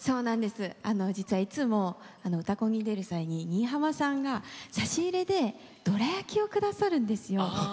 実はいつも「うたコン」に出る際に新浜さんが差し入れでどら焼きを下さるんですよ。